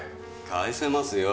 返せますよ